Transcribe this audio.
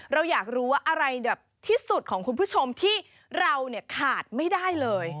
เราอยากรู้ว่าอะไรแบบที่สุดของคุณผู้ชมที่เราเนี่ยขาดไม่ได้เลย